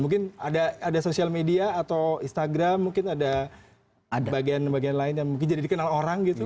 mungkin ada sosial media atau instagram mungkin ada bagian bagian lain yang mungkin jadi dikenal orang gitu